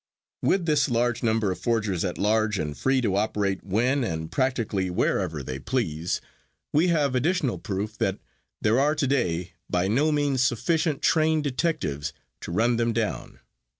With this large number of forgers at large and free to operate when, and practically wherever they please, we have additional proof that there are today by no means sufficient trained detectives to run them down.